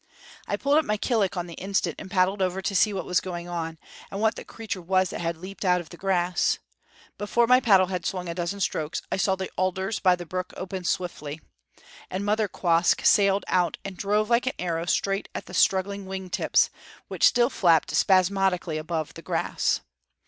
I pulled up my killick on the instant and paddled over to see what was going on, and what the creature was that had leaped out of the grass. Before my paddle had swung a dozen strokes I saw the alders by the brook open swiftly, and Mother Quoskh sailed out and drove like an arrow straight at the struggling wing tips, which still flapped spasmodically above the grass.